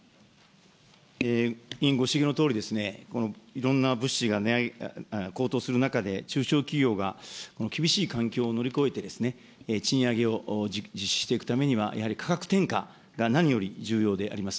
委員ご指摘のとおり、いろんな物資が高騰する中で、中小企業が、厳しい環境を乗り越えて賃上げを実施していくためには、やはり価格転嫁が何より重要であります。